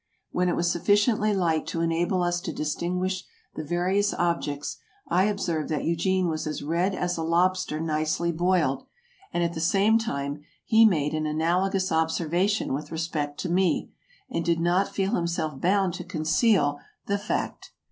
When it was sufficiently light to enable us to distinguish the various objects, I ob served that Eugene was as red as a lobster nicely boiled, and at the same moment he made an analogous observation with respect to me, and did not feel himself bound to conceal 194 TRAVELERS AND EXPLORERS the fact.